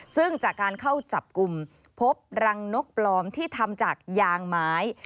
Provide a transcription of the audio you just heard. ซึ่งจากการเข้าจับกลุ่มพบรังนกปลอมที่ทำจากยางไม้